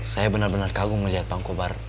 saya benar benar kagum melihat bang kobar